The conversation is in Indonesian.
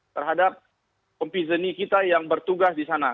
terhadap kompiseni kita yang bertugas disana